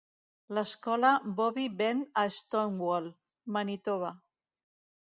L'escola Bobby Bend a Stonewall, Manitoba.